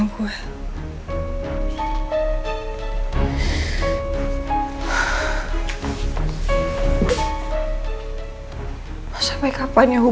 gua bisa ke panti